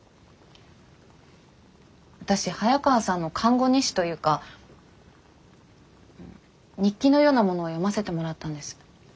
私早川さんの看護日誌というか日記のようなものを読ませてもらったんです。